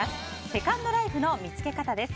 セカンドライフの見つけ方です。